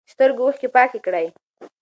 د سترګو اوښکې پاکې کړئ.